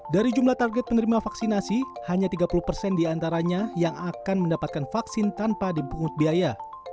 dari jumlah target penerima vaksinasi hanya tiga puluh persen diantaranya yang akan mendapatkan vaksin tanpa dipungut biaya